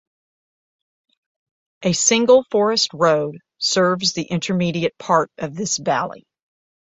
A single forest road serves the intermediate part of this valley.